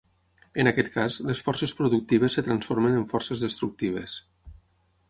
En aquest cas, les forces productives es transformen en forces destructives.